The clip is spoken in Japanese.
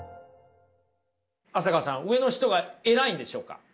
浅川さん上の人が偉いんでしょうか。